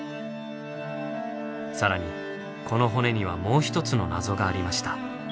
更にこの骨にはもう一つの謎がありました。